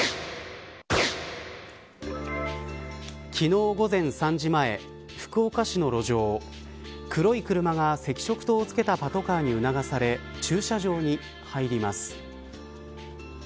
昨日午前３時前福岡市の路上黒い車が赤色灯をつけたパトカーに促され駐車場に入ります。